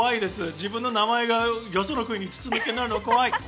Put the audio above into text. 自分の名前がよその国に筒抜けなの怖い。